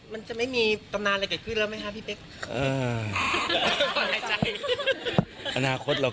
มันจะไม่มีตำนานอะไรเกิดขึ้นแล้วไหมคะพี่เป๊ก